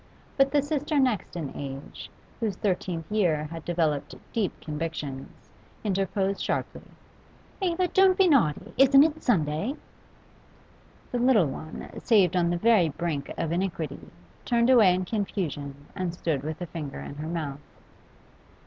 But the sister next in age, whose thirteenth year had developed deep convictions, interposed sharply 'Eva, don't be naughty! Isn't it Sunday?' The little one, saved on the very brink of iniquity, turned away in confusion and stood with a finger in her mouth.